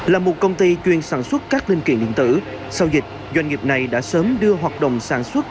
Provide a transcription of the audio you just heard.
là một công ty chuyên sản xuất các linh kiện điện tử sau dịch doanh nghiệp này đã sớm đưa hoạt động sản xuất